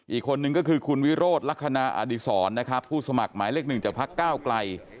อีกคนนึงก็คือคุณวิโรธลักษณะอดีศรผู้สมัครหมายเลข๑จากภาคเก้าไกล